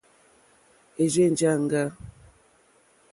È rzênjāŋɡâ.